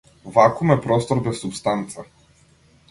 Вакуум е простор без супстанца.